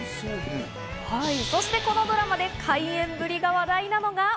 そしてこのドラマで怪演ぶりが話題なのが。